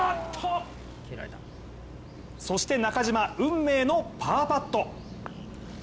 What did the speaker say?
そして、中島運命のパーパット。